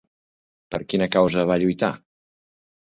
Per quina causa va lluitar?